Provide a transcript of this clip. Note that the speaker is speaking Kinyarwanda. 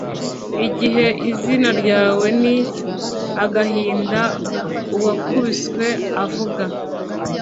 Igihe izina ryawe ni agahinda uwakubiswe avuga